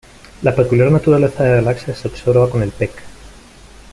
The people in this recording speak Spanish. La peculiar naturaleza de la galaxia se observa con el 'pec'.